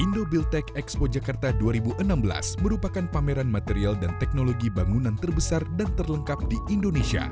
indobuiltek expo jakarta dua ribu enam belas merupakan pameran material dan teknologi bangunan terbesar dan terlengkap di indonesia